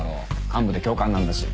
幹部で教官なんだし。